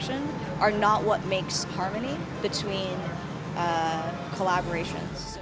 bukan yang membuat kekharmonian antara kolaborasi